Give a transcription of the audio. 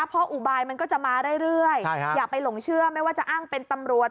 เพราะอุบายมันก็จะมาเรื่อยอย่าไปหลงเชื่อไม่ว่าจะอ้างเป็นตำรวจ